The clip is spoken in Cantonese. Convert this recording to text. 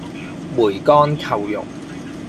梅干扣肉